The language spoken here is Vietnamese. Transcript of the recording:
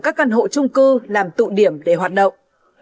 các căn hộ trung cư làm tụ điểm để hoạt động